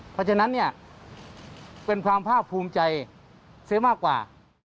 เพราะฉะนั้นเนี่ยเป็นความภาคภูมิใจเสียมากกว่า